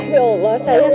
ya allah sayang